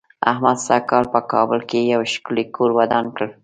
احمد سږ کال په کابل کې یو ښکلی کور ودان کړ.